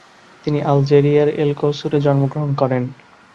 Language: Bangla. তিনি আলজেরিয়ার এল-কসুর এ জন্মগ্রহণ করেন।